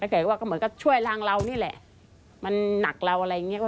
แกก็ว่าก็เหมือนก็ช่วยทางเรานี่แหละมันหนักเราอะไรอย่างเงี้